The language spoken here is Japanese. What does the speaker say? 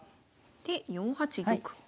で４八玉。